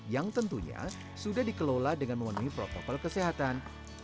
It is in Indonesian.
yang tentunya sudah dikelola dengan memenuhi protokol kesehatan